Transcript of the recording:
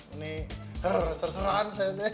ini ser seran saya teh